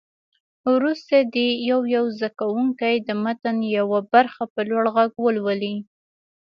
وروسته دې یو یو زده کوونکی د متن یوه برخه په لوړ غږ ولولي.